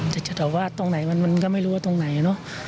แต่จะตอบว่าตรงไหนมันก็ไม่รู้ว่าตรงไหนเนอะ